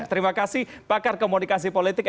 terima kasih pakar komunikasi politik